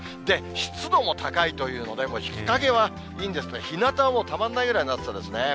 湿度も高いというので、もう日陰はいいんですけど、ひなたはたまんないぐらいの暑さですね。